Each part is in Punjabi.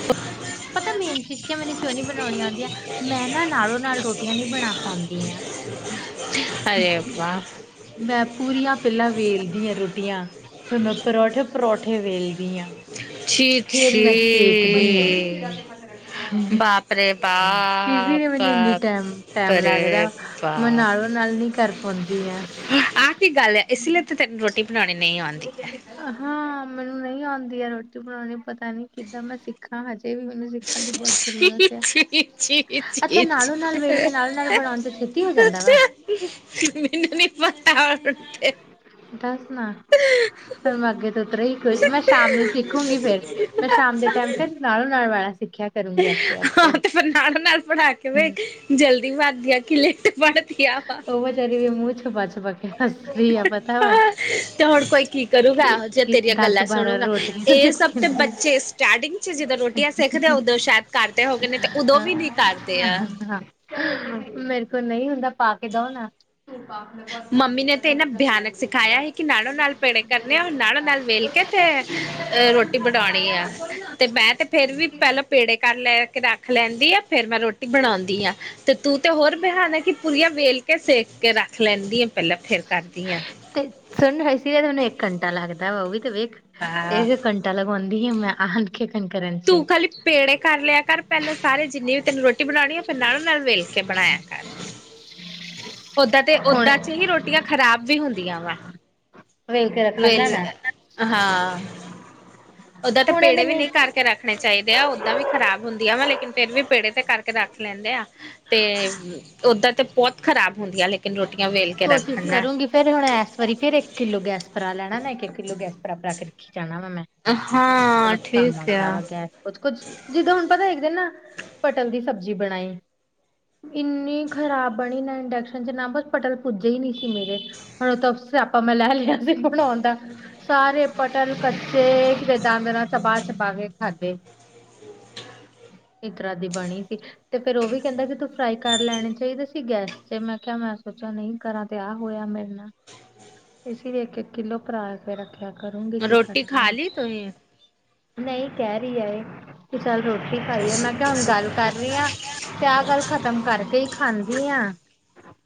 ਹ [inaudible] ਪਤਾ ਮੇਨ ਚੀਜ਼ ਕਿ ਮੈਨੂੰ ਕਿਉਂ ਨੀ ਬਣਾਉਣੀ ਆਉਂਦੀਆਂ ਮੈਂ ਨਾ ਨਾਲੋਂ ਨਾਲ ਰੋਟੀਆਂ ਨੀ ਬਣਾ ਪਾਉਂਦੀ ਆ। ਅਰੇ ਵਾਹ। ਮੈਂ ਪੂਰੀਆਂ ਪਹਿਲਾਂ ਵੇਲਦੀ ਆ ਰੋਟੀਆਂ। ਫੇਰ ਮੈਂ ਪਰੌਠੇ ਪਰੌਠੇ ਵੇਲਦੀ ਹਾਂ। ਛੀਂ, ਛੀਂ। ਦੇਖਦੀ ਹਾ ਇਜੀ ਨੇ ਮੈਨੂੰ ਇੰਨੀ ਟਾਈਮ। [unintelligible] ਟਾਈਮ ਲੱਗਦਾ ਮੈਂ ਨਾਲੋ -ਨਾਲ ਨੀ ਕਰ ਪਾਉਂਦੀ ਆ। ਆਹ ਕੀ ਗੱਲ ਹੈ, ਇਸ ਲਈ ਤੇ ਤੈਨੂੰ ਰੋਟੀ ਬਣਾਉਣੀ ਨਹੀਂ ਆਉਂਦੀ, ਹਾਂ ਮੈਨੂੰ ਨਹੀਂ ਆਉਂਦੀ ਆ ਰੋਟੀ ਬਣਾਉਣੀ ਪਤਾ ਨੀ ਕਿੱਦਾਂ ਮੈਂ ਸਿੱਖੀ। ਸਿੱਖਾਂ ਹਜੇ ਵੀ ਮੈਨੂੰ ਸਿੱਖਣ ਦੀ ਬਹੁਤ ਜ਼ਰੂਰਤ ਆ, ਜੀ ਜੀ ਅੱਛਾ ਨਾਲੋਂ ਨਾਲ ਵੇਲ ਕੇ ਨਾਲੋਂ ਨਾਲ ਬਣਾਉਣ ਚ, ਛੇਤੀ ਹੋ ਜਾਂਦਾ ਵਾ ਅੱਛਾਮੈਨੂੰ ਨੀ ਪਤਾ। [unintelligible] ਦੱਸ ਨਾ ਫਿਰ ਮੈਂ ਅੱਗੇ ਤੋ ਉਸ ਤਰ੍ਹਾਂ ਹੀ, ਕੋਈ ਨੀ ਮੈ ਸ਼ਾਮ ਨੂੰ ਸਿੱਖੂਗੀ, ਫੇਰ ਮੈਂ ਸ਼ਾਮ ਦੇ ਟਾਈਮ ਫਿਰ ਨਾਲੋਂ ਨਾਲ ਵਾਲਾ ਸਿੱਖਿਆ, ਕਰੂੰਗੀ ਆਸਤੇ ਆਸਤੇ ਆਹੋ ਤੇ ਫਿਰ ਨਾਲ ਨਾਲ ਬਣਾ ਕੇ ਵੇਖ। ਜਲਦੀ ਬਣਦੀਆ ਕਿ ਲੇਟ ਬਣਦੀਆ ਵਾ, [unintelligible] ਬਿਚਾਰੀ ਵੀ ਮੂੰਹ ਛੁਪਾ ਛੁਪਾ ਕੇ ਹੱਸ ਰਹੀ ਆ ਪਤਾ ਵਾ, ਤੇ ਹੁਣ ਕੋਈ ਕੀ? ਕਰੂਗਾ ਕਿ ਇਹ ਜਿ ਕਿ ਤੇਰੀਆਂ ਦਸ ਗੱਲਾਂ ਬਾਰਾਂ ਸੁਣੂਗਾ, ਰੋਟੀਆਂ ਇਹ ਸਭ ਚੱਕਣ ਤੇ ਦੀ ਬੱਚੇ ਸਟਾਰਟਿੰਗ ਚ ਜਿੱਦਾ ਰੋਟੀ, ਜਾ ਸਿੱਖਦੇ ਉਦੋਂ ਸ਼ਾਇਦ ਕਰਦੇ ਹੋਗੇ ਨੇ ਤੇ ਉਦੋਂ ਹਾਂ ਵੀ ਨੀ ਕਰਦੇ ਆ। ਮੇਰੇ ਕੋਲੋ ਨਹੀਂ ਹੁੰਦਾ ਪਾ ਕੇ ਦਓ ਨਾ, ਧੂਪ ਬਹੁਤ ਤੰਗ ਮੰਮੀ ਨੇ ਕੀਤਾ ਤੇ ਲੈ ਇਨਾ ਲੱਗ। [unintelligible] ਨਹੀਂ ਉਹ ਨਾਲੋਂ ਨਾਲ ਵੇਲ ਕੇ ਤੇ ਅ ਰੋਟੀ ਬਣਾਉਣੀ ਆ, ਤੇ ਮੈਂ ਤੇ ਫੇਿਰ ਵੀ ਪਹਿਲਾਂ ਪੇੜੇ ਕਰ ਲੈ ਕੇ ਰੱਖ ਲੈਂਦੀ ਆ, ਫੇਰ ਮੈਂ ਰੋਟੀ ਬਣਾਉਂਦੀ ਆ। ਤੇ ਤੂੰ ਤੇ ਹੋਰ ਬੇਹਾਨੇ ਕਿ ਪੁੂਰੀਆਂ ਵੇਲ ਕੇ ਸੇਕ ਕੇ ਰੱਖ ਲੈਂਦੀ ਆ, ਪਹਿਲਾਂ ਫੇਰ ਕਰਦੀ ਆ। ਤੇ ਸੁਣ ਹੱਸੀ ਵੀ ਤੁਹਾਨੂੰ ਇੱਕ ਘੰਟਾ ਲੱਗਦਾ ਵਾ ਉਹ ਵੀ ਤੇ ਵੇਖ ਵਾਹ ਇੱਕ ਘੰਟਾ, ਘੰਟਾ ਲਗਾਉਂਦੀ ਹਾ [unintelligible] ਮੈਂ ਆਹ। ਖੇਖਣ ਕਰਨ। ਚ ਤੂੰ ਖਾਲੀ। ਪੇੜੇ ਕਰ ਲਿਆ ਕਰ ਪੈਹਿਲੋ ਸਾਰੇ ਜਿੰਨੀ ਵੀ ਤੈਨੂੰ ਰੋਟੀ ਬਣਾਣੀ ਆ, ਫਿਰ ਨਾਲੋਂ ਨਾਲ ਵੇਲ ਕੇ ਬਣਾਇਆ ਕਰ। ਓਦਾਂ ਤੇ ਹੁਣ ਓਦਾਂ‌‌ ‌ ਚ ਹੀ ਰੋਟੀਆਂ ਖ਼ਰਾਬ ਵੀ ਹੁੰਦੀਆਂ ਵਾ ਵੇਲ ਕੇ ਰੱਖਣ ਨਾ ਵੇਲ ਨਾ ਆ ਹਾਂ। ਓਦਾਂ ਤੇ ਹੁਣ ਇਹਦੇ ਪੇੜੇ ਵੀ ਲਈ ਨਈ ਕਰਕੇ ਰੱਖਣੇ ਚਾਈਦੇ ਆ, ਓਦਾਂ ਵੀ ਖਰਾਬ ਹੁੰਦੀ ਆ, ਵਾ, ਲੇਕਿਨ ਫਿਰ ਵੀ ਪੇੜੇ ਤੇ ਕਰਕੇ- ਰੱਖ ਲੈਂਦੇ ਆ ਤੇ ਓਦਾਂ ਤੇ ਬੋਤ ਖਰਾਬ ਹੁੰਦੀਆਂ ਲੇਕਿਨ ਰੋਟੀਆਂ ਵੇਲ ਕੇ। ਕੋਸ਼ਿਸ਼ ਰੱਖਣ ਨਾਲ ਕਰੂੰਗੀ ਫੇਰ ਹੁਣ ਏਸ ਵਰੀ ਫੇਰ ਇੱਕ ਕਿੱਲੋ ਗੈਸ ਭਰਾ ਲੈਣਾ ਨਾ ਇੱਕ- ਇੱਕ ਕਿੱਲੋ ਗੈਸ ਭਰਾ-ਭਰਾ ਕੇ। ਕੀ ਕਹਿਣਾ ਵਾ ਮੈ? ਅਹ ਹਾਂ ਠੀਕ ਆ। ਕੁਜ- ਕੁਜ ਜਿੱਦਾਂ ਹੁਣ ਪਤਾ ਇੱਕ ਦਿਨ ਨਾ ਪਟਲ ਦੀ ਸਬਜ਼ੀ ਬਣਾਈ। ਇੰਨੀ ਖਰਾਬ ਬਣੀ ਨਾ ਇੰਡਕਸ਼ਨ ਚ ਨਾ ਬਸ- ਪਟਲ ਪੁੱਜੇ ਈ ਨੀ ਸੀ ਮੇਰੇ ਹੁਣ ਓ, ਤਾਂ ਸਿਆਪਾਂ ਮੈਂ ਲੈ ਲਿਆ ਸੀ ਬਣਾਉਣ ਦਾ। ਸਾਰੇ ਪਟਲ ਕੱਚੇ ਕਿਤੇ ਦਾੰਦ ਨਾਲ ਚਬਾ -ਚਬਾ ਕੇ ਖਾਧੇ, ਇਤਰਾਂ ਦੀ ਬਣੀ ਸੀ। ਤੇ ਫੇਰ ਓ ਵੀ ਕੈਂਦਾ, ਕਿ ਤੂੰ ਫਰਾਈ ਕਰ ਲੈਣੀ ਚਾਈਦੀ ਸੀ ਗੈਸ ਤੇ। ਮੈਂ ਕਿਆ ਮੈਂ- ਸੋਚਿਆ ਨਈ ਕਰਾਂ ਤੇ ਆਹ ਹੋਇਆ ਮੇਰੇ ਨਾਲ। ਇਸ ਇਕ- ਇੱਕ ਕਿੱਲੋ ਭਰਾ ਵਗੇਰਾ- ਪਿਆ ਕਰੂੰਗੀ, ਕੀ ਰੋਟੀ ਖਾ ਕਰਨਾ? ਲਈ ਤੁਸੀਂ ਨਈ ਕੈ ਰੀ ਏ। ਕੀ ਚੱਲ ਰੋਟੀ ਖਾਈਏ, ਮੈਂ ਕਿਆ ਹੁਣ ਗੱਲ ਕਰ ਰੀ ਆਂ ਤੇ ਆਹ ਗੱਲ ਖ਼ਤਮ ਕਰਕੇ ਈ- ਖਾਂਦੀ ਆਂ।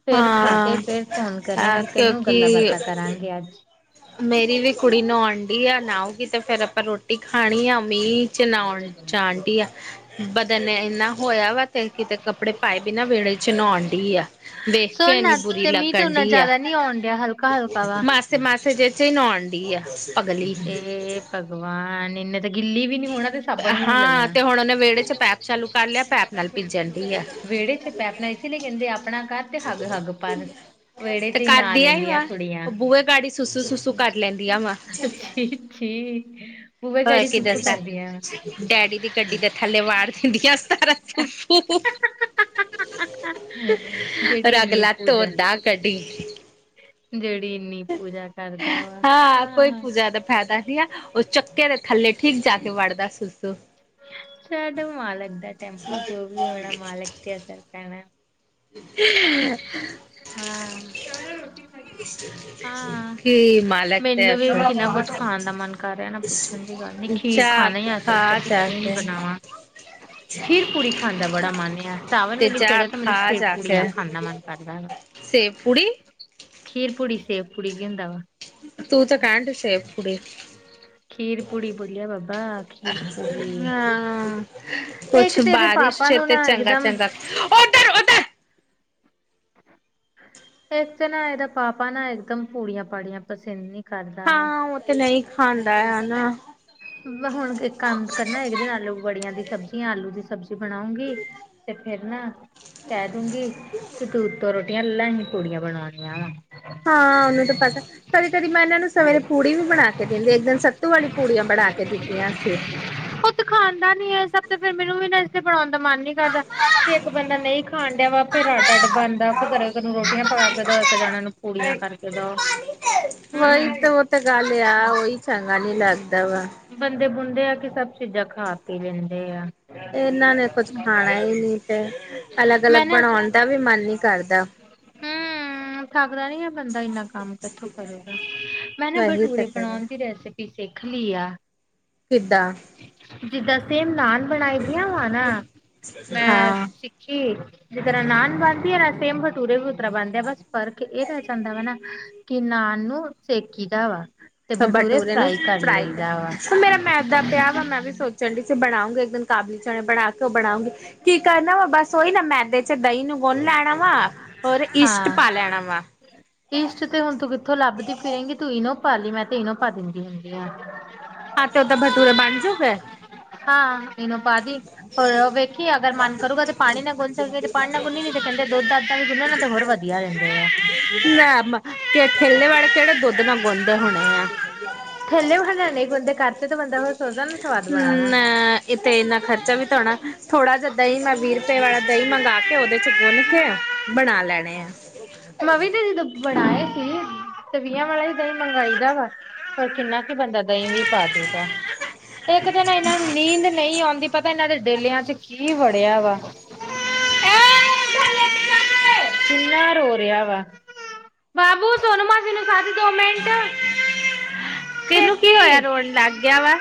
ਫੇਰ ਖਾ ਕੇ ਹਾਂ ਫੇਰ ਫੋਨ ਕਰੂੰਗੀ ਤੈਨੂੰ ਗੱਲਾਂ ਕਿਉਂਕਿ ਬਾਤਾਂ ਕਰਾਂਗੇ ਅੱਜ। ਮੇਰੀ ਵੀ ਕੁੜੀ ਨਾਉਨ ਡੀ ਆ, ਨਾਉਗੀ ਤੇ ਫੇਰ ਆਪਾਂ ਰੋਟੀ ਖਾਣੀ ਆ। ਮੀਂਹ ਚ ਨਾਉਣ - ਚਾ ਆਂਟੀ ਆ। ਬਦਨ ਏਨਾ ਹੋਇਆ ਵਾ ਤੇ ਕਿਤੇ ਕੱਪੜੇ ਪਾਏ ਬਿਨਾ ਵੇਹੜੇ 'ਚ ਨਉਣ ਡੀ ਆ। ‌ ਸੁਣ ਨਾ ਤੇ ਮੀਂਹ ਤੇ ਓਨਾ ਜਾਦਾ ਨੀ ਆਉਣ ਡਿਆ, ਹਲਕਾ ਹਲਕਾ ਵਾ। ਚਾਮਾਸੇ 'ਚ ਈ ਨਉਣ ਡੀ ਆ। ਪਗਲੀ ਏ ਭਗਵਾਨ ਏਨੇ ਤੇ ਗਿੱਲੀ ਵੀ ਨੀ ਹੋਣਾ ਤੇ ਸਾਬਣ ਵੀ ਨੀ ਹਾਂ ਲੱਗਣਾ। ਤੇ ਹੁਣ ਉਹਨੇ ਵਿਹੜੇ ਚ ਪੈਪ ਚਾਲੂ ਕਰ ਲਿਆ ਪੈਪ ਨਾਲ ਭਿੱਜਣ ਡੀ ਆ [unintelligible] ਵੇਹੜੇ' ਚ ਪੈਪ- ਨਈ ਏਸੇ ਲਈ ਕੈਂਦੇ ਆਪਣਾ ਘਰ ਤੇ ਹੱਗ -ਹੱਗ ਭਰ। ਤੇ ਕਰਦੀ ਆ ਵਾ ਓ ਬੂਹੇ ਗਾੜੀ ਸੁਸੂ ਸੁਸੂ ਕਰ ਲੈਂਦੀ ਆ ਵਾਂ। ਛੀ ਛੀ ਬੂਹੇ ਹੋਰ ਗਾੜੀ ਕੀ ਸੁਸੂ ਦੱਸਦਾ ਕਰਦੀਆਂ ਡੈਡੀ ਦੀ ਗੱਡੀ ਦਾ- ਥੱਲੇ ਵਾੜ ਦਿੰਦੀਆਂ ਸਾਰਾ ਫੂ-ਫੂ। ਹਾ ਹਾ ਹਾ -ਜੇੜੀ ਏਨੀ ਰਗਲਾ ਪੂਜਾ। ਧੋਂਦਾ ਕੱਢੀ ਜੇੜੀ ਏਨੀ ਪੂਜਾ ਕਰਦਾ ਵਾ। ਜਾਦਾ ਫੈਦਾ ਵੀਆ ਓ ਚੱਕੇ ਦੇ ਥੱਲੇ ਠੀਕ ਜਾ ਕੇ ਵੜਦਾ ਸੂਸੂ। ਛਡ ਮਾਲਕ ਦਾ ਟੈਂਪੂ ਜੋ ਵੀ ਹੋਣਾ ਮਾਲਕ ਤੇ ਅਸਰ ਪੈਣਾ। ਹੀ ਹੁ ਹਾਂ ਚੱਲ ਆਜਾ ਰੋਟੀ ਖਾਈਏ ਹਾਂ ਕੀ ਮਾਲਕ ਤੇ ਮੈਨੂੰ ਵੀ- ਨਾ ਕੁਝ ਖਾਣ ਦਾ ਮਨ ਕਰ ਰਿਆ ਨਾ ਪੁੱਛਣ ਦੀ ਗੱਲ ਨੀ ਖੀਰ ਜਾ ਖਾਣੀਆ। ਖਾ ਸੋਚਿਆ ਜਾ ਖੀਰ ਕੇ ਬਣਾਵਾ। ਖੀਰ ਪੂੜੀ ਖਾਣ ਦਾ ਬੜਾ ਮਨ ਆ ਸਾਵਨ ਵੀ ਨ ਜਾ ਚੜਿਆ ਤੇ ਮੈ- ਖਾ ਖੀਰ ਜਾ ਪੁੜੀਆਂ ਕੇ ਖਾਣ ਦਾ ਮਨ ਕਰਦਾ ਵਾ। ਸੇਬ ਪੂੜੀ ਖੀਰ ਪੂੜੀ, ਸੇਬ ਪੂੜੀ ਕੀ ਹੁੰਦਾ ਵਾ? ਤੂੰ ਤਾਂ ਕੈਣ ਡੀ ਸੇਵ ਪੂੜੀ। [unintelligible] ਖੀਰ ਪੂੜੀ ਬੋਲਿਆ ਬਾਬਾ ਖੀਰ ਪੂੜੀ [unintelligible] ਕੁਛ ਇੱਕ ਤੇ ਇਹਦੇ ਬਾਰਿਸ਼ ਪਾਪਾ 'ਚ ਨੂੰ ਤੇ ਨਾ ਚੰਗਾ ਇਕਦਮ ਚੰਗਾ- ਓਏ! ਏਕ ਤਾਂ ਨਾ ਏਦਾ ਪਾਪਾ ਨਾ ਇਕਦਮ ਪੂੜੀਆਂ ਪਾੜੀਆਂ ਪਸੰਦ ਨੀ- ਕਰਦਾ ਵਾ। ਹਾਂ ਉਹ ਤੇ ਨਹੀਂ ਖਾਂਦਾ ਹੈ ਨਾ ਹੁਣ ਇੱਕ ਕੰਮ ਕਰਨਾ ਇੱਕ ਦਿਨ ਆਲੂ ਬੜੀਆਂ ਦੀ ਸਬਜ਼ੀ ਜਾਂ ਆਲੂ ਦੀ ਸਬ- ਸਬਜ਼ੀ ਬਣਾਉਂਗੀ ਤੇ ਫੇਰ ਨਾ ਕੈ ਦੂਗੀ ਕਿ ਤੂੰ ਤੋਂ ਰੋਟੀ- ਏ ਅਲਾਂ ਈ ਨੀ ਪੂੜੀਆਂ ਬਣਾਣੀਆਂ। ਹਾਂ ਓਨੂੰ ਤਾਂ ਪਤਾ। ਕਦੀ ਕਦੀ ਮੈਂ ਇਹਨਾਂ ਨੂੰ ਸਵੇਰੇ ਪੂੜੀ ਵੀ ਬਣਾ ਕੇ ਦਿੰਦੀ ਇੱਕ ਦਿਨ ਸੱਤੂ ਵਾਲੀ ਪੂੜੀਆਂ ਬਣਾ ਕੇ ਦਿੱਤੀਆਂ ਸੀਂ। ਪੁੱਤ ਖਾਂਦਾ ਨੀ ਹੈ, ਸਭ ਤੇ ਫਿਰ ਮੈਨੂੰ ਵੀ ਲੰਚ ਬਣਾਉਣ ਦਾ ਮਨ ਨੀ ਕਰਦਾ। ਤੇ ਇੱਕ ਬੰਦਾ ਨਹੀਂ ਖਾਣ ਡੀਆ ਵਾ ਫੇਰ ਅੱਡ ਅੱਡ ਬਣਦਾ, ਇੱਕ ਜਾਣੇ ਨੂੰ ਰੋਟੀਆਂ ਪਕਾ ਕੇ ਦੋ ਇੱਕ ਜਾਣਾ ਨੂੰ ਪੂੜੀਆ ਕੱਢ ਕੇ ਦਿਓ। ਉਹੀ ਤੇ ਉਹ ਤਾਂ ਗੱਲ ਆ ਉਹੀ ਚੰਗਾ ਨੀ ਲੱਗਦਾ ਵਾ। ਬੰਦੇ ਬੁੰਦੇ ਆ ਕਿ ਸਭ ਚੀਜ਼ਾਂ ਖਾ ਪੀ ਲੈਂਦੇ ਆ। ਇਹਨਾਂ ਨੇ ਕੁੱਝ ਖਾਣਾ ਹੀ ਨੀ, ਤੇ ਅਲੱਗ- ਅਲੱਗ ਮੈਂ ਨਾ ਬਣਾਉਣ ਦਾ ਵੀ ਮਨ ਨੀ ਕਰਦਾ। ਹੂੰ। ਥੱਕਦਾ ਨੀ ਹੈ, ਬੰਦਾ ਇੰਨਾ ਕੰਮ ਕਿੱਥੋਂ ਕਰੂਗਾ ਮੈਂ ਨਾ ਵਹੀ ਤੇ ਕਰੇ ਰੈਸਪੀ, ਸਿੱਖ ਲਈ ਆ ਕਿਦਾਂ ਜਿੱਦਾਂ, ਸੇਮ ਨਾਨ ਬਣਾਈ ਦੀਆਂ ਵਾ ਨਾ ਮੈਂ ਹਾਂ ਸਿੱਖੀ ਜਿਸ ਤਰ੍ਹਾਂ ਨਾਨ ਬਣਦੀ ਹੈ, ਸੇਮ ਭਠੂਰੇ ਵੀ ਉੱਸ ਤਰ੍ਹਾਂ ਬਣਦੇ ਆ, ਬਸ ਫਰਕ ਇਹ ਰਹਿ ਜਾਂਦਾ ਵਾ ਨਾ ਕਿ ਨਾਨ ਨੂੰ, ਸੇਕੀ ਦਾ ਵਾ‌ ਬਠੂਰੇ ਨੂੰ ਫਰਾਈ, ਤੇ ਵਾ ਮੇਰਾ ਵੀ ਮੈਂਦਾਂ ਪਿਆ ਵਾ, ਮੈਂ ਵੀ ਸੋਚ ਚੰਡੀ ਸੇ ਬਣਾਉਗੀ, ਇੱਕ ਦਿਨ ਕਾਬਲੀ ਚਣੇ ਬਣਾ ਕੇ, ਉਹ ਬਣਾਉਂਗੀ ਕੀ ਕਰਨਾ ਵਾ, ਬਸ ਉਹੀ ਨਾ, ਮੈਦੇ ਚ ਦਹੀਂ ਨੂੰ, ਗੁਨ ਲੈਣਾ ਵਾ ਔਰ, ਇਸ਼ਟ ਪਾ ਹਾਂ। ਲੈਣਾ ਵਾ ਈਸਟ ਤੇ ਹੁਣ ਤੂੰ, ਕਿੱਥੋਂ ਲੱਭਦੀ ਫ਼ਰੇਗੀ ਤੂੰ, ਇਹਨੂੰ ਪਾ ਲਈ ਮੈਂ ਤੇ ਇਹਨੂੰ ਪਾ ਦਿੰਦੀ ਹੁੰਦੀ ਆ। ਆਟੇ ਉੱਤੇ ਭਠੂਰੇ ਬਣ ਜੂ ਗੇ ਹਾਂ ਇਨੂੰ ਪਾ ਦੀ, ਹੋਰ ਵੇਖੀਏ ਅਗਰ ਮਨ ਕਰੂਗਾ, ਤੇ ਪਾਣੀ ਨਾ ਗੁੰਨ ਸਕਏ ਤੇ ਪਾਣੀ ਨਾ ਗੁੰਨੀ ਕਹਿੰਦੇ ਦੁੱਧ ਅੱਦਾਂ ਵੀ, ਤੇ ਹੋਰ ਵਧੀਆ ਰਹਿੰਦੇ ਆ‌ ਲੇ ਕਿ ਠੇਲੇ ਵਾਲੇ ਕਿਹੜੇ ਦੁੱਧ ਨਾਲ ਗੁੰਉਦੇ ਹੋਣੇ ਆ ਥੈਲੇ ਵਾਲੇ ਨਈ ਬਣਦੇ ਘਰ ਚ, ਤੇ ਬੰਦਾ ਸੋਚਦਾ ਨਾ ਸਵਾਦ ਬਣਾ ਵਾ ਇੱਥੇ, ਇੰਨਾ ਖਰਚਾ ਵੀ ਹੋਣਾ ਥੋੜਾ ਜਿਹਾ ਦਹੀਂ ਮੈਂ ਵੀਹ ਰੁਪਏ ਵਾਲਾ ਦਹੀਂ, ਮੰਗਾ ਕੇ ਉਹਦੇ ਚ ਗੁੰਨ ਕੇ ਬਣਾ ਲੈਣੇ ਆ। ਮਵੀ ਤੇ ਜਦੋਂ ਬਣਾਏ ਸੀ। ਤੇਵਹ ਵਾਲਾ, ਦਹੀਂ ਮੰਗਾਈ ਦਾ ਵਾ ਪਰ ਕਿੰਨਾ ਬੰਦਾ ਦਹੀਂ ਨਹੀਂ ਪਾ ਦੇਂਦਾ, ਇੱਕ ਦਿਨ ਇਹਨਾਂ ਨੂੰ ਨੀਂਦ ਨਹੀਂ ਆਉਂਦੀ ਪਤਾ ਇਹਨਾਂ ਦੇ ਡੇਲਿਆ ਚ, ਕੀ ਵੜਿਆ ਵਾ ਐ ਉਠਾ ਲੈ ਕੇ ਚੱਲ ਕੇ ਕਿੰਨਾ, ਰੋ ਰਿਹਾ ਵਾ ਬਾਬੂ ਸਨਮਾ, ਮੈਨੂੰ ਛੱਡ ਦੋ ਮਿੰਟ ਤੈਨੂੰ ਕੀ ਹੋਇਆ, ਛੇਤੀ ਰੋਣ ਲੱਗ ਗਿਆ ਵਾ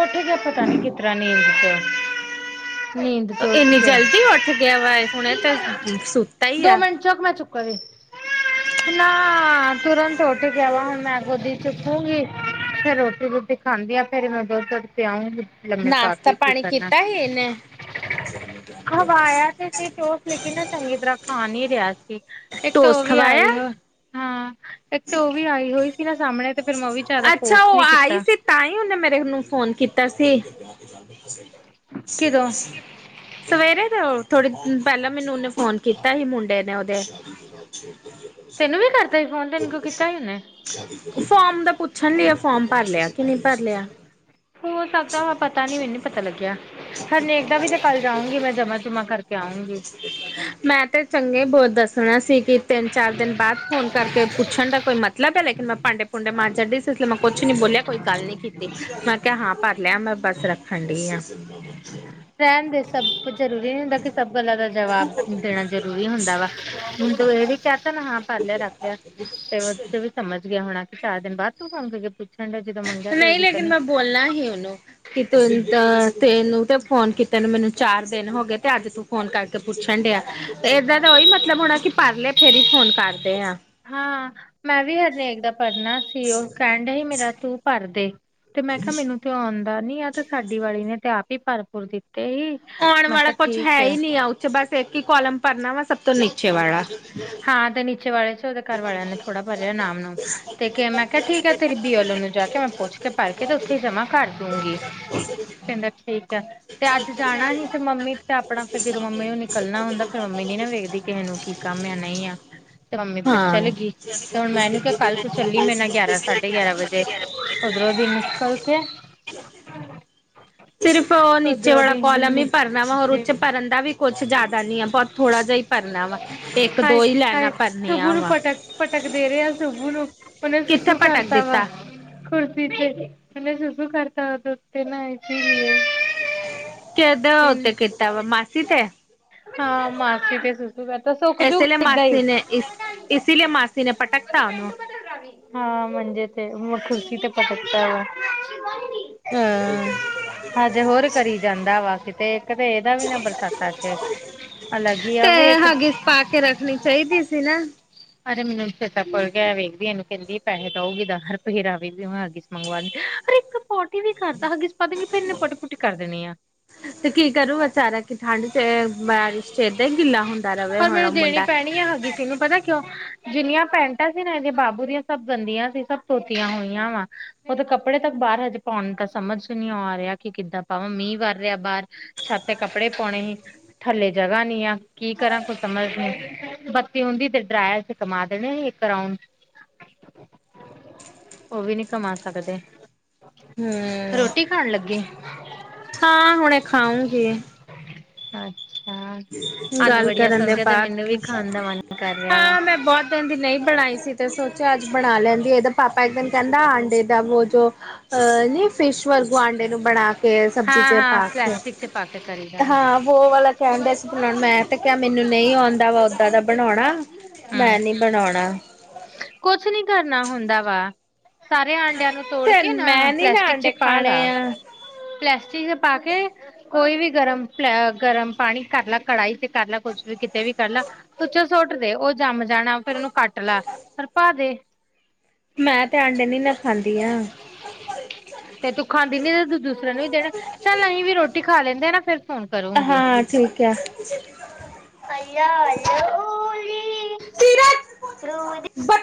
ਉੱਠ ਗਿਆ ਪਤਾ ਨੀ ਕਿਸ ਤਰ੍ਹਾਂ ਨੀਂਦ ਚੋ ਨੀਂਦ ਚੋ ਉੱਠ ਇੰਨੀ ਗਿਆ ਜਲਦੀ ਉੱਠ ਗਿਆ ਵਾ ਹੁਣੇ ਫਿਰ ਚੁੱਕ ਸੁ ਦੋ ਮਿੰਟ ਚੁੱਕ, ਮੈਂ ਚੁੱਕ ਵੀ ਨਾ ਤੁਰੰਤ ਛੋਟੇ ਕੇਵੇਂ ਮੈਂ ਗੋਦੀ ਚੁੱਕੂਗੀ, ਫੇਰ ਰੋਟੀ -ਰੁਟੀ ਖਾਂਦੀ ਆ ਫੇਰ ਮੈਂ ਦੁੱਧ -ਦਧ ਪਿਆਉਂਗੀ ਨਾਸ਼ਤਾ, ਪਾਣੀ ਕੀਤਾ ਸੀ ਇਹਨੇ? ਖਵਾਇਆ [unintelligible] ਤੇ ਸੀ ਟੋਸ ਲੇਕਿਨ ਨਾ ਚੰਗੀ ਤਰ੍ਹਾਂ [inaudible] ਖਾ ਨਹੀਂ ਰਿਹਾ ਸੀ, ਇੱਕ ਤਾਂ ਟੋਸ ਉਹ ਵੀ ਖਵਾਇਆ। ਆਈ ਹੋ, ਹਾਂ ਇੱਕ ਤਾਂ ਉਹ ਵੀ ਆਈ ਹੋਈ ਨਾ ਸਾਹਮਣੇ ਤੇ ਫਿਰ ਮੈਂ ਉਹ ਵੀ ਜ਼ਿਆਦਾ ਅੱਛਾ, ਫੋਰਸ ਉਹ ਨੀ ਆਈ ਕੀਤਾ ਸੀ ਤਾਂ ਹੀ, ਉਹਨੇ ਮੇਰੇ ਨੂੰ ਫੋਨ ਕੀਤਾ ਸੀ। [unintelligible] [inaudible] ਕਿਦੋਂ ਸਵੇਰੇ ਦੇ, ਥੋੜੇ ਦਿਨ ਪਹਿਲਾਂ ਮੈਨੂੰ, ਉਹਨੇ ਫੋਨ ਕੀਤਾ ਸੀ ਮੁੰਡੇ ਨੇ ਉਹਦੇ ਠੀਕ। ਤੈਨੂੰ ਵੀ ਕਰਤਾ ਸੀ ਫੋਨ, ਮੈਂਨੂੰ ਤੇ ਕੀਤਾ ਹੋਣਾ ਫੋਮ ਦਾ ਪੁੱਛਣ ਡੀਆ ਫੋਮ ਭਰ ਲਿਆ, ਕਿ ਨਹੀਂ ਭਰ ਲਿਆ ਹੋ ਸਕਦਾ ਮੈਂ ਪਤਾ ਨਈ, ਮੈਨੂੰ ਪਤਾ ਲੱਗਿਆ ਹਰਨੇਕ ਦਾ ਵੀ ਤੇ ਕੱਲ ਜਾਊਂਗੀ, ਮੈਂ ਜਮਾ ਜੁਮਾ ਕਰਕੇ ਆਊਂਗੀ‌। ਮੈਂ ਤੇ ਚੰਗੇ, ਬਹੁਤ ਦੱਸਣਾ ਸੀ। ਕਿ, ਤਿੰਨ- ਚਾਰ ਦਿਨ ਬਾਅਦ ਫੋਨ ਕਰਕੇ, ਪੁੱਛਣ ਦਾ ਕੋਈ ਮਤਲਬ, ਹੈ ਲੇਕਿਨ ਮੈਂ ਭਾਂਡੇ -ਪੁਡੇ ਮਾਂਝ ਛੱਡੀ ਸੀ, ਇਸ ਮੈਂ ਕੁਛ ਨਈ ਬੋਲਿਆ, ਕੋਈ ਗੱਲ ਨਈ ਕੀਤੀ ਮੈਂ ਕਿਹਾ, ਹਾਂ ਭਰ ਲਿਆ ਮੈਂ ਬਸ ਰੱਖ ਠੰਡੀ ਆ ਰਹਿਣ ਦੇ, ਸਭ ਕੁਝ ਜਰੂਰੀ ਨਈ ਹੁੰਦਾ ਕਿ, ਸਭ ਗੱਲਾਂ ਦਾ ਜਵਾਬ ਦੇਣਾ ਜ਼ਰੂਰੀ ਹੁੰਦਾ ਵਾ, ਹੁਣ ਇਹ ਵੀ ਚਾਤਨ ਹਾਂ ਭਰ ਲਿਆ, ਰੱਖ ਲਿਆ ਤੇ ਓਚ ਵੀ ਸਮਝ ਗਿਆ ਹੋਣਾ ਕਿ ਚਾਰ ਦਿਨ ਬਾਦ ਤੂੰ ਫੋਨ ਕਰੇਆ ਫਿਰ। ਚੰਡਾ ਜਦੋਂ ਮੰਗ ਤੇ ਨਈ ਲੇਕਿਨ ਮੈਂ ਬੋਲਨਾ ਹੀ ਓਨੂੰ ਕਿ ਤੂੰ ਤ ਤੇਨੂੰ ਤੇ ਫੋਨ ਕੀਤੇ ਨੂੰ ਮੈਨੂੰ ਚਾਰ ਦਿਨ ਹੋ ਗਏ ਤੇ ਅੱਜ ਤੂੰ ਫੋਨ ਕਰ ਕੇ ਪੁੱਛਣ ਡਿਐਂ ਤੇ ਏਦਾਂ ਤਾਂ ਓਈ ਮਤਲਬ ਹੋਣਾ ਕਿ ਪਾਰਲੇ ਫੇਰ ਈ ਫੋਨ ਕਰਦੇ ਆਂ। ਹਾਂ, ਮੈਂ ਵੀ ਹਰਏਕ ਦਾ ਭਰਨਾ ਸੀ। ਓ ਕੈਣ ਡਏ ਸੀ ਮੇਰਾ ਤੂੰ ਭਰਦੇ ਤੇ ਮੈਂ ਕਿਆ ਮੈਨੂੰ ਤੇ ਔਂਦਾ ਨੀ ਆ ਤੇ ਸਾਡੀ ਵਾਲੀ ਨੇ ਤੇ ਆਪ ਈ ਭਰ-ਭੁਰ ਦਿੱਤੇ ਹੀ। ਔਣ ਵਾਲਾ ਕੋਛ ਹੈ ਈ ਨੀ ਆ ਉੱਥੇ ਬਸ ਏੱਕ ਈ ਕੋਲਮ ਭਰਨਾ ਵਾ, ਸਭ ਤੋਂ ਨੀਚੇ ਵਾਲਾ। ਛੇ ਵਾਲੇ ਸੀ ਓਦੇ ਘਰ ਵਾਲੇਆਂ ਨੇ ਥੋੜਾ ਭਰੇਆ ਨਾਮ-ਨੂਮ। ਤੇ ਕਿਐ ਮੈਂ ਕਿਆ ਠੀਕ ਐ ਤੇਰੀ ਬੀ ਐਲ ਓ ਨੂੰ ਜਾ ਕੇ, ਮੈਂ ਪੁੱਛ ਕੇ, ਭਰ ਕੇ ਤੇ ਓਥੇ ਈ ਜਮਾਂ ਕਰ ਦੂੰਗੀ। ਕੇਂਦਾ ਠੀਕ ਐ। ਤੇ ਅੱਜ ਜਾਣਾ ਹੀ ਤੇ ਮੰਮੀ ਤੇ ਆਪਣਾ ਫੇਰ ਜਦੋਂ ਮੰਮੀ ਨੂੰ ਨਿਕਲਣਾ ਹੁੰਦਾ ਫੇਰ ਮੰਮੀ ਨੀ ਨਾ ਵੇਖਦੀ ਕਿਹੇ ਨੂੰ ਕੀ ਕੰਮ ਏਆ, ਨਈ ਆ। ਤੇ ਮੰਮੀ ਫੇਰ ਹਾਂ ਚੱਲੇ ਗੀ ਤੇ ਹੁਣ ਮੈਂ ਏਨੂੰ ਕਿਆ ਕੱਲ ਤੂੰ ਚੱਲੀ ਮੇਰੇ ਨਾਲ ਗਿਆਰਾਂ, ਸਾਢੇ ਗਿਆਰਾਂ ਵਜੇ ਤੇ ਏਧਰੋਂ ਦੀ ਨਿਕਲ ਕੇ ਸਿਰਫ ਓ ਨੀਚੇ ਉਧਰੋਂ ਵਾਲਾ ਦੀ ਕੋਲਮ ਈ ਭਰਨਾ ਵਾ ਨਿਕਲ ਹੋਰ ਕੇ ਉੱਚ ਭਰਨ ਦਾ ਵੀ ਕੋੱਛ ਜਿਆਦਾ ਨੀ ਐ। ਬੋਤ ਥੋੜਾ ਜਾ ਈ ਭਰਨਾ ਵਾ। ਏੱਕ ਹਾਏ ਦੋ ਈ ਹਾਏ ਲੈਨਾ ਸੁਬੂ ਨੂੰ ਪਟਕ-ਪਟਕ ਦੇ ਰੇਐ, ਸੁਬੂ ਨੂੰ। ਓਨੇ ਕਿੱਥੇ ਸੁੱਸੂ ਭਟਕ ਕਰਤਾ ਵਾ ਦਿੱਤਾ ਕੁਰਸੀ ਤੇ, ਤੇ ਓਨੇ ਸੁਸੂ ਕਰਤਾ ਓਦੇ ਉੱਤੇ ਨਾ ਇਸੀ ਲੀਏ। [unintelligible] ਕੇਦੇ ਉੱਤੇ ਕੀਤਾ ਵਾ? ਮਾਸੀ ਤੇ? ਹਾਂ, ਮਾਸੀ ਤੇ ਸੁ [unintelligible] ਆਪੇ ਸੋੱਕ ਇਸ ਲਈ ਜੁਗਾ ਏਦਾਂ ਈ। ਮਾਸੀ ਨੇ ਇਸ ਇਸ ਲਈ ਮਾਸੀ ਨੇ ਪਟਕਤਾ ਉਹਨੂੰ ਹਾਂ ਮੰਜੇ ਤੇ ਮ ਕੁਰਸੀ ਤੇ ਪਟਕਤਾ ਵਾ। ਹਾਂ ਹਜੇ ਹੋਰ ਕਰੀ ਜਾਂਦਾ ਵਾ। ਕਿਤੇ ਏੱਕ ਤੇ ਏਦਾ ਵੀ ਨਾ ਬਰਸਾਤਾ ਤੇ ਅਲੱਗ ਈ ਤੇ ਆ ਵੇਖ ਹਗਿਸ ਪਾ ਕੇ ਰੱਖਣੀ ਚਾਹੀਦੀ ਸੀ ਨਾ ਅਰੇ ਮੈਨੂੰ [unintelligible] ਕਿਐ ਵੇਖਦੀ ਏਨੂੰ ਕੇਂਦੀ ਏ ਪੈਹੇ ਦਉਗੀ ਦਾਹ ਰਪਈਏ ਦਾ ਵੇਖਦੀ ਹਾਂ ਹੱਗਿਸ ਮੰਗਵਾਂਦ, ਅਰੇ ਇੱਕ ਪੋਟੀ ਵੀ ਕਰਦਾ ਹੱਗਿਸ ਪਦ ਨੀ ਫੇਰ ਏਨੇ ਪੋਟੀ-ਪੁਟੀ ਕਰ ਦੇਣੀ ਆ। ਤੇ ਕੀ ਕਰੂ ਵਿਚਾਰਾ ਕਿ ਠੰਡ 'ਚ ਬਾਰਿਸ਼ 'ਚ ਏਦਾਂ ਈ ਗਿੱਲਾ ਹੁੰਦਾ ਰਵੈ ਹੋਣਾ ਮੁੰਡਾ। ਤੈਨੂੰ ਪਤਾ ਐ ਕਿਉਂ ਜਿੰਨੀਆਂ ਪੈਂਟਾਂ ਸੀ ਨਾ ਏਦੇ ਬਾਬੂ ਦੀਆਂ ਸਭ ਗੰਦੀਆਂ ਸੀ। ਸਭ ਧੋਤੀਆਂ ਹੋਈਆਂ ਵਾ। ਏਦੇ ਕੱਪੜੇ ਤੱਕ ਬਾਰ ਹਜੇ ਪੋਣ ਤਾਂ ਸਮਝ ਨੀ ਓ ਆ ਰਿਐ ਕਿ ਕਿੱਦਾਂ ਪਾਵਾਂ ਮੀਂਅ ਵਰ ਰਿਐ ਬਾਰ। ਛੱਤ ਤੇ ਕੱਪੜੇ ਪੌਣੇ ਹੀ। ਥੱਲੇ ਜਗ੍ਹਾ ਨੀ ਆ। ਕੀ ਕਰਾਂ, ਕੋਈ ਸਮਝ ਨੀ। ਬੱਤੀ ਹੁੰਦੀ ਤੇ ਡਰਾਏਰ 'ਚ ਘਮਾ ਦੇਣੇ ਹੀ ਏੱਕ ਰਾਊਂਡ, ਓ ਵੀ ਨੀ ਘਮਾ ਸਕਦੇ। ਹੂੰ ਰੋਟੀ ਖਾਣ ਲੱਗੇ? ਹਾਂ, ਹੁਣੇ ਖਾਉਂਗੇ। [unintelligible] ਅੱਛਾ, ਆਲੂ ਗੱਲ ਵੜੀਆਂ ਕਰਨ ਸੋਣ ਦੇ ਕੇ ਤੇ ਬਾਅਦ ਮੈਨੂੰ ਵੀ ਖਾਣ ਦਾ ਮਨ ਕਰ ਰੇਆ ਵਾ। ਤੇਂਦੀ ਨਈ ਬਣਾਈ ਸੀ ਤੇ ਸੋਚਿਆ ਅੱਜ ਬਣਾ ਲੈਂਦੀ। ਏਦੇ ਪਾਪਾ ਇੱਕ ਦਿਨ ਕੈਂਦਾ ਆਂਡੇ [unintelligible] 'ਚੋਂ ਅ ਨੀ ਫਿਸ਼ ਵਾਂਗੂ ਆਂਡੇ ਨੂੰ ਬਣਾ ਕੇ ਸਬਜ਼ੀ 'ਚ ਪਾ ਕੇ ਤੇ ਪਾ ਕੇ ਤਰੀ ਹਾਂ, ਬੋਅ ਵਾਲਾ ਕੈਂਦਾ ਸੀ ਪਲਾ ਮੈਂ ਤੇ ਹੋਰ ਕਿਆ ਮੈਨੂੰ ਕਿੰਨਾ ਨਈ ਵਾ ਔਂਦਾ ਵਾ ਓਦਾਂ ਦਾ ਹਾਲੇ ਤਾਂ ਇੱਥੇ ਬਨੌਣਾ। ਬਸ ਨੀ ਹੋਇਆ। ਮੈਂ ਨੀ ਬਨੌਣਾ। ਕੁਛ ਨੀ ਕਰਨਾ ਹੁੰਦਾ ਵਾ ਸਾਰੇ ਆਂ ਨੂੰ ਤੋੜ ਤੇ ਕੇ ਨਾ ਮੈਂ ਨੀ ਨਾ ਪਲਾਸਟਿਕ ਚ ਆਂਡੇ ਪਾ ਲਾ। ਖਾਣੇ ਆ ਪਲਾਸਟਿਕ ਚ ਪਾ ਕੇ ਕੋਈ ਵੀ ਗਰਮ ਪ ਗਰਮ ਪਾਣੀ ਕਰ ਲਾ ਕੜਾਹੀ ਤੇ ਕਰ ਲਾ ਕੁਛ ਵੀ ਕਿਤੇ ਵੀ ਕਰ ਲਾ ਤੁ ਸੁੱਟ ਦੇ ਉਹ ਜੰਮ ਜਾਣਾ ਫੇਰ ਉਹਨੂੰ ਕੱਟ ਲਾ ਫੇਰ ਪਾ ਦੇ ਮੈਂ ਤੇ ਆਂਡੇ ਨੀ ਨਾ ਖਾਂਦੀ ਆ ਤੇ ਤੂ ਖਾਂਦੀ ਨੀ ਤੁ ਦੂਸਰਿਆਂ ਨੂੰ ਵੀ ਦੇਣਾ ਚੱਲ ਅਹੀ ਵੀ ਰੋਟੀ ਖਾ ਲੈਂਦੇ ਨਾ ਫੇਰ ਫੋਨ ਕਰੂਗੀ ਹਾਂ ਠੀਕ [unintelligible] ਆ [unintelligible]